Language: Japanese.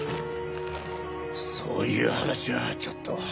そういう話はちょっと。